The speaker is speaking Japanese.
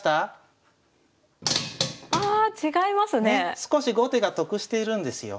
少し後手が得しているんですよ。